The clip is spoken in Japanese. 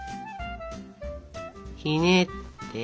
ひねって。